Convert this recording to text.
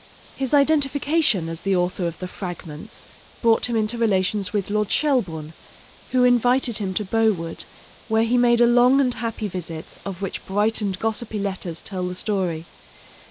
His identification as the author of the 'Fragments' brought him into relations with Lord Shelburne, who invited him to Bowood, where he made a long and happy visit, of which bright and gossipy letters tell the story.